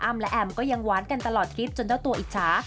และแอมก็ยังหวานกันตลอดคลิปจนเจ้าตัวอิจฉา